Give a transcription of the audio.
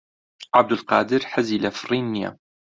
عەبدولقادر حەزی لە فڕین نییە.